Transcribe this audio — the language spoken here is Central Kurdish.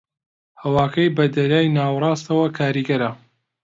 ھەواکەی بە دەریای ناوەڕاستەوە کاریگەرە